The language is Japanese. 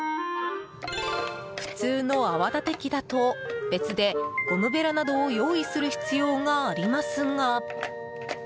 普通の泡立て器だと別でゴムべらなどを用意する必要がありますが。